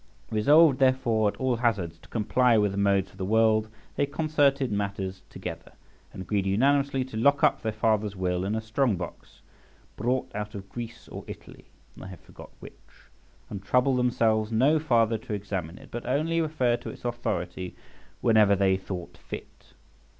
Resolved, therefore, at all hazards to comply with the modes of the world, they concerted matters together, and agreed unanimously to lock up their father's will in a strong box, brought out of Greece or Italy {79b} (I have forgot which), and trouble themselves no farther to examine it, but only refer to its authority whenever they thought fit.